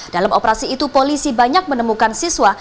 dalam operasi itu polisi banyak menemukan siswa